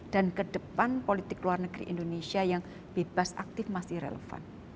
dan kedepan politik luar negeri indonesia yang bebas aktif masih relevan